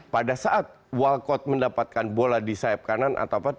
pada saat walcott mendapatkan bola di sayap kanan